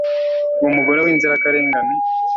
uwo mugore wi nzirakarengane